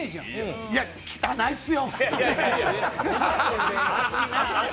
汚いんすよ。